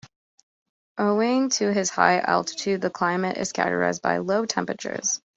Owing to its high altitude, the climate is characterized by low temperatures.